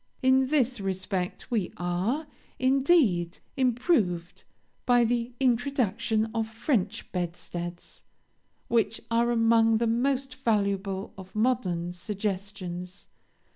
In this respect we are, indeed, improved, by the introduction of French bedsteads, which are among the most valuable of modern suggestions.